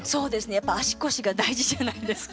やっぱ足腰が大事じゃないですか。